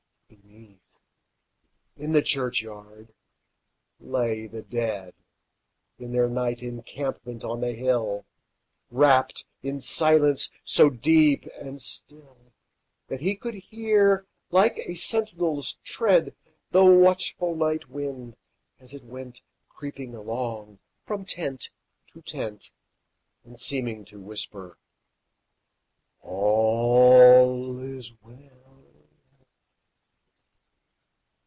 Beneath, in the churchyard, lay the dead, In their night encampment on the hill, Wrapped in silence so deep and still That he could hear, like a sentinel's tread, The watchful night wind, as it went Creeping along from tent to tent, And seeming to whisper, "All is well!"